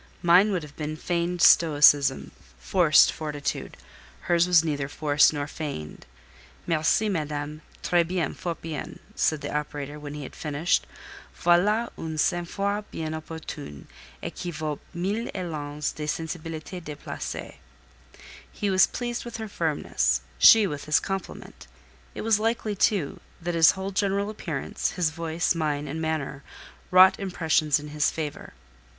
Mine would have been feigned stoicism, forced fortitude. Hers was neither forced nor feigned. "Merci, Madame; très bien, fort bien!" said the operator when he had finished. "Voilà un sang froid bien opportun, et qui vaut mille élans de sensibilité déplacée." He was pleased with her firmness, she with his compliment. It was likely, too, that his whole general appearance, his voice, mien, and manner, wrought impressions in his favour.